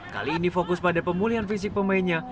kali ini fokus pada pemulihan fisik pemainnya